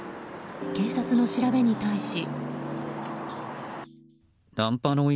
警察の調べに対し。